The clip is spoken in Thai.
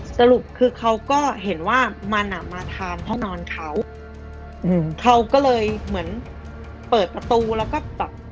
สรุปคือเขาก็เห็นว่ามันอ่ะมาทางห้องนอนเขาอืมเขาเขาก็เลยเหมือนเปิดประตูแล้วก็แบบ